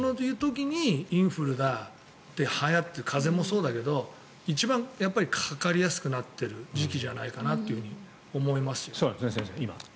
だからそういう時にインフルだ、ではやって風邪もそうだけど一番かかりやすくなってる時期かなと思います。